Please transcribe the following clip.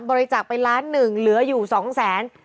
บริจาคไปล้านหนึ่งเหลืออยู่สองแสน